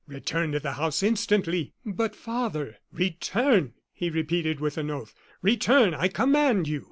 Return to the house, instantly " "But father " "Return!" he repeated with an oath; "return, I command you."